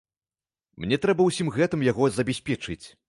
Мне трэба ўсім гэтым яго забяспечыць.